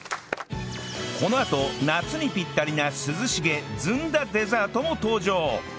このあと夏にピッタリな涼しげずんだデザートも登場！